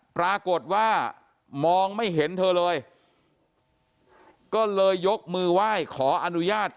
ปรากฏว่ามองไม่เห็นเธอเลยก็เลยยกมือไหว้ขออนุญาต